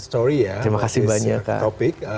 terima kasih banyak